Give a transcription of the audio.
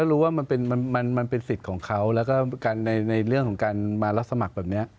รู้ว่ามันเป็นสิทธิ์ของเขาแล้วก็ในเรื่องของการมารับสมัครแบบนี้